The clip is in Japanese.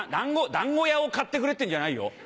団子屋を買ってくれっていうんじゃないよ。